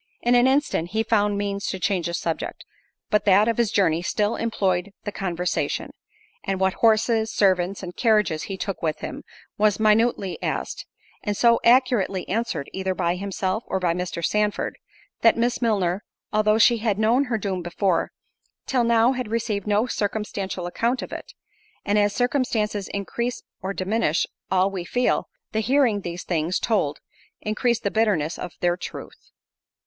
In an instant he found means to change the subject, but that of his journey still employed the conversation; and what horses, servants, and carriages he took with him, was minutely asked, and so accurately answered, either by himself or by Mr. Sandford, that Miss Milner, although she had known her doom before, till now had received no circumstantial account of it—and as circumstances increase or diminish all we feel, the hearing these things told, increased the bitterness of their truth.